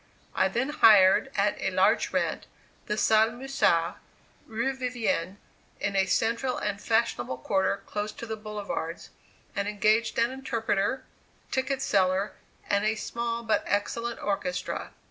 I then hired at a large rent, the Salle Musard, Rue Vivienne, in a central and fashionable quarter close by the boulevards, and engaged an interpreter, ticket seller, and a small but excellent orchestra.